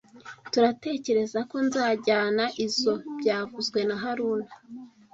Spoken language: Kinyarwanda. turatekerezako nzajyana izoi byavuzwe na haruna